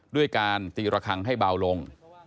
ด้วยการตีระคังให้เบาลง